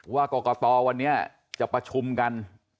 ว่ากรกตวันนี้จะประชุมกัน